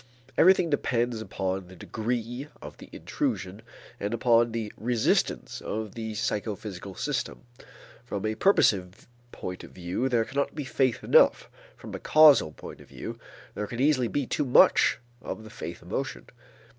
Everything depends upon the degree of the intrusion and upon the resistance of the psychophysical system. From a purposive point of view there cannot be faith enough, from a causal point of view there can easily be too much of the faith emotion.